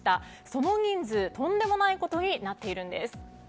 その人数、とんでもないことになっているんです。